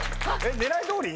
狙いどおり？